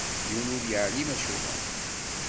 Yiwen ur yeɛlim acuɣeṛ.